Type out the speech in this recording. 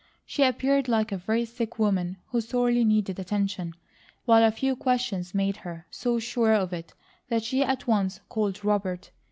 She appeared like a very sick woman, who sorely needed attention, while a few questions made her so sure of it that she at once called Robert.